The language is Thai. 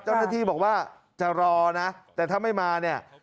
เจ้าหน้าที่บอกว่าจะรอนะแต่ถ้าไม่มาเนี่ย